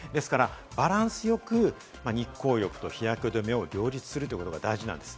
バランスよく日光浴と日焼け止めを両立するということが大事なんです。